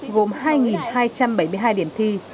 gồm hai hai trăm bảy mươi hai điểm thi